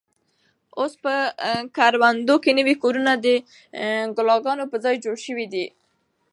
اوس په کروندو کې نوي کورونه د کلاګانو په ځای جوړ شوي دي.